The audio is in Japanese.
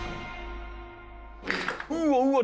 うわうわ